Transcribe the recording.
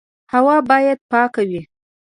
هوا باید پاکه وي.